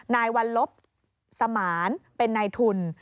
นายวัลลบสมานเป็นนายทุน